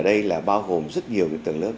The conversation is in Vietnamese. ở đây là bao gồm rất nhiều tầng lớp